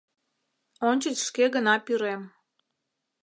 Ончыч шке гына пӱрем.